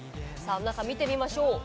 見てみましょう。